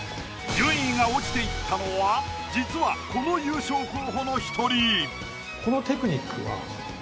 順位が落ちていったのは実はこの優勝候補の１人。